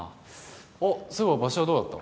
あっそういえばバシはどうだった？